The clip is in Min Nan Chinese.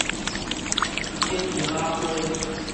襉絨仔花